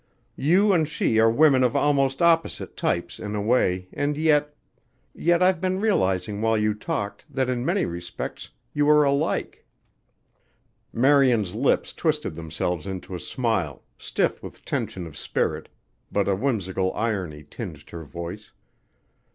"You and she are women of almost opposite types in a way and yet yet I've been realizing while you talked, that in many respects you are alike." Marian's lips twisted themselves into a smile, stiff with tension of spirit, but a whimsical irony tinged her voice.